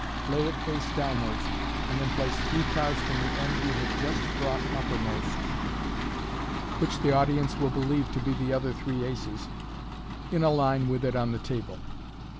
Lay it face down « irds, and then place three cards from the end you have just brought uppermost (which the audience will believe to be the other three aces), in a line with it on the table.